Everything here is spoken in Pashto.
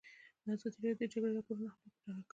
ازادي راډیو د د جګړې راپورونه حالت په ډاګه کړی.